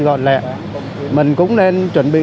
gọn lẹ mình cũng nên chuẩn bị